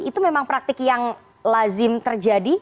itu memang praktik yang lazim terjadi